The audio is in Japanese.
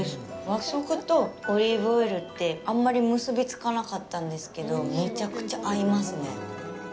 和食とオリーブオイルってあんまり結びつかなかったんですけどめちゃくちゃ合いますね。